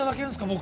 僕。